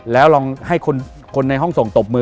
แล้วลองให้คนในห้องส่งตบมือ